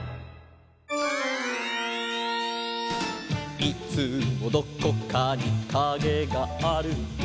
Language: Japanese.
「いつもどこかにカゲがある」